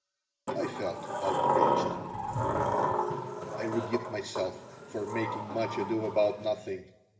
I felt outraged I rebuked myself for making much ado about nothing.